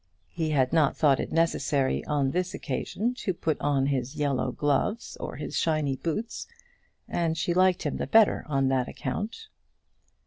He had not thought it necessary, on this occasion, to put on his yellow gloves or his shiny boots, and she liked him the better on that account.